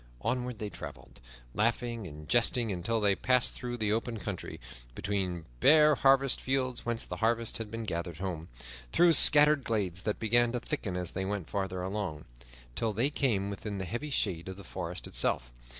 Onward they traveled, laughing and jesting, until they passed through the open country; between bare harvest fields whence the harvest had been gathered home; through scattered glades that began to thicken as they went farther along, till they came within the heavy shade of the forest itself.